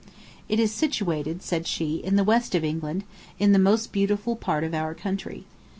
"It is situated," said she, "in the west of England, in the most beautiful part of our country.